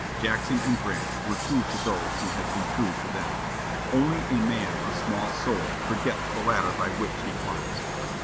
Jackson and Grant were true to those who had been true to them. Only a man of small soul forgets the ladder by which he climbs.